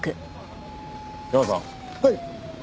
はい。